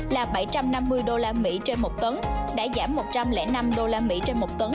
là bảy trăm năm mươi đô la mỹ trên một tấn đã giảm một trăm linh năm đô la mỹ trên một tấn